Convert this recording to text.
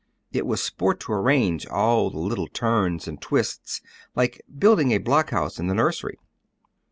It was sport to arrange all the little turns and twists, like building a block house in the nursery."